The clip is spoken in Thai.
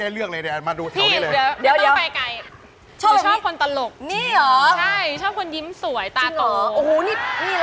สเปล็กสาวปัญหาเป็นยังไงครับ